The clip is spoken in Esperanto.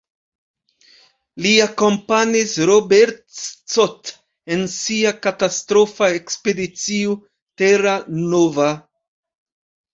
Li akompanis Robert Scott en sia katastrofa Ekspedicio Terra Nova.